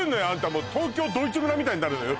もう東京ドイツ村みたいになるのよ